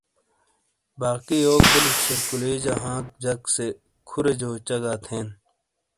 باقی یوک بیلک شیرقلی جہ ہانک جک سے کھورے جو چہگا تھین